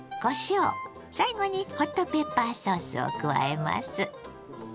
最後にホットペッパーソースを加えます。